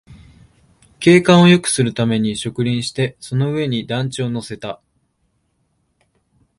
景観をよくするために植林して、その上に団地を乗せた